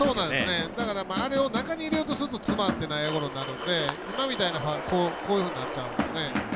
だからあれを中に入れようとすると詰まって内野ゴロになるので今みたいになっちゃうんです。